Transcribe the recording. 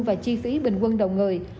và chi phí bình quân đầu người